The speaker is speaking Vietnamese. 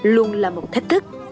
luôn là một thách thức